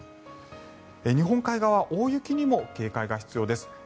日本海側大雪にも警戒が必要です。